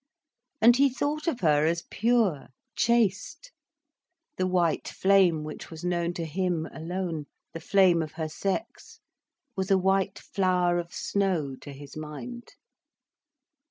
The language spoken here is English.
And he thought of her as pure, chaste; the white flame which was known to him alone, the flame of her sex, was a white flower of snow to his mind.